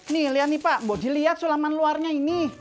nih lihat nih pak boleh dilihat sulaman luarnya ini